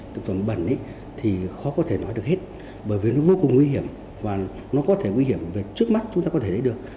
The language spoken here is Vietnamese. thực phẩm bẩn thì khó có thể nói được hết bởi vì nó vô cùng nguy hiểm và nó có thể nguy hiểm về trước mắt chúng ta có thể lấy được